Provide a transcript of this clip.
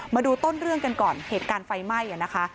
มาดูต้นเรื่องกันก่อนเหตุการณ์ไฟไหม้นะคะ